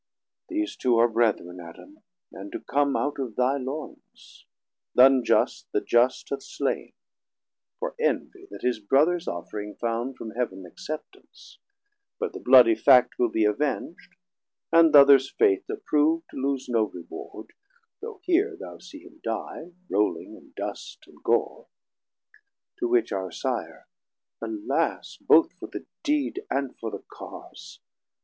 These two are Brethren, Adam, and to come Out of thy loyns; th' unjust the just hath slain, For envie that his Brothers Offering found From Heav'n acceptance; but the bloodie Fact Will be aveng'd, and th' others Faith approv'd Loose no reward, though here thou see him die, Rowling in dust and gore. To which our Sire. 460 Alas, both for the deed and for the cause!